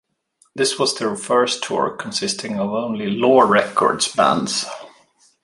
This was their first tour consisting of only Law Records bands.